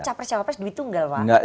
capres cawapres duit tunggal pak